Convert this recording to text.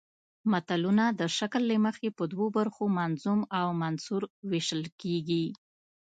متلونه د شکل له مخې په دوو برخو منظوم او منثور ویشل کیږي